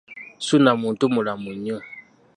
Ssuuna muntu mulamu nnyo.